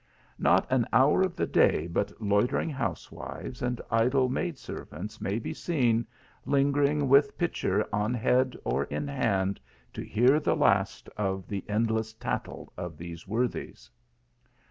Not an hour of the day but loitering housewives and idle maid servants may be seen, lingering with pitcher on head or in hand, to hear the last of the endless tattle of these worthies.